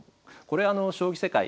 これあの「将棋世界」。